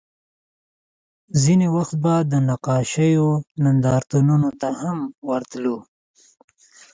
ځینې وخت به د نقاشیو نندارتونونو ته هم ورتلو